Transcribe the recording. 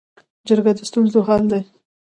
جرګه د ستونزو حل دی